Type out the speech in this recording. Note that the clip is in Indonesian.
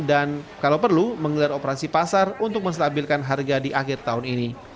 dan kalau perlu mengelar operasi pasar untuk menstabilkan harga di akhir tahun ini